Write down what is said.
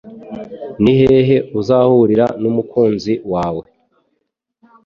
Ni hehe Uzahurira n’umukunzi wawe